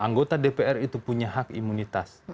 anggota dpr itu punya hak imunitas